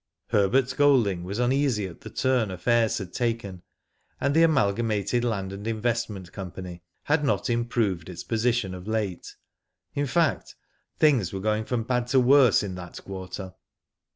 Herbert Golding was uneasy at the turn affairs had taken, and the Amalgamated Land and In vestment Co. had not improved its position of late; in fact, things were going from bad to worse in that quarter.